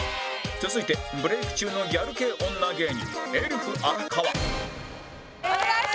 続いてブレーク中のギャル系女芸人